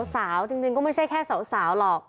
สาวจริงก็ไม่ใช่แค่สาวหรอก